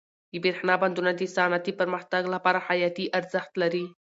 د برښنا بندونه د صنعتي پرمختګ لپاره حیاتي ارزښت لري.